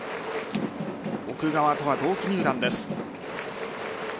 奥川とは同期入団です。